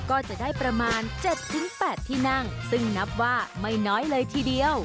ก็จะได้ประมาณ๗๘ที่นั่งซึ่งนับว่าไม่น้อยเลยทีเดียว